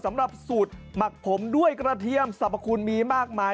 สำหรับสูตรหมักผมด้วยกระเทียมสรรพคุณมีมากมาย